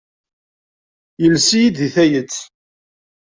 Yelles-iyi-d deg tayet.